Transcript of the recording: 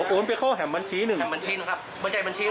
อืม